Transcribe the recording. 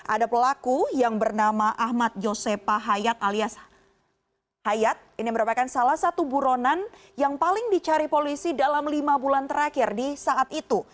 ada pelaku yang bernama ahmad yosepahayat alias hayat ini merupakan salah satu buronan yang paling dicari polisi dalam lima bulan terakhir di saat itu